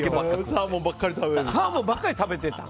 サーモンばっかり食べてた。